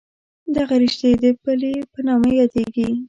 دغه رشتې د پلې په نامه یادېږي.